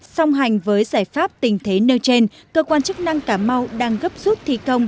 song hành với giải pháp tình thế nêu trên cơ quan chức năng cà mau đang gấp rút thi công